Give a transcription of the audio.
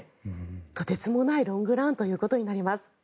とてつもないロングランとなります。